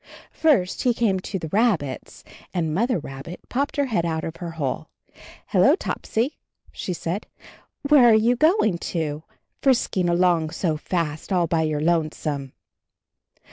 First he came to the rabbits and Mother Rabbit popped her head out of her hole. "Hello, Topsy," said she. "Where are you going to, frisking along so fast, all by your lonesome?"